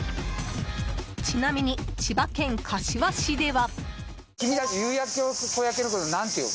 ちなみに、千葉県柏市では。